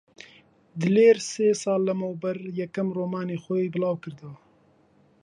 دلێر سێ ساڵ لەمەوبەر یەکەم ڕۆمانی خۆی بڵاو کردەوە.